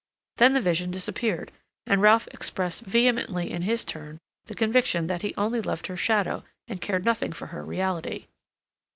Then the vision disappeared, and Ralph expressed vehemently in his turn the conviction that he only loved her shadow and cared nothing for her reality.